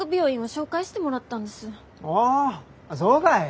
ああそうかい。